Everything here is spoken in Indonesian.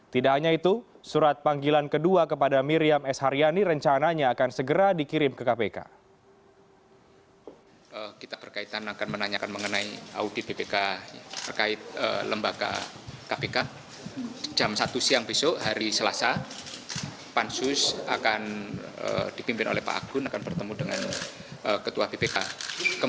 tidak hanya itu surat panggilan kedua kepada miriam s haryani rencananya akan segera dikirim ke kpk